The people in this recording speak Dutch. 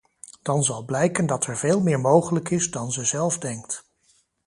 Dan zal blijken dat er veel meer mogelijk is dan ze zelf denkt.